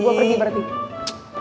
gue pergi berarti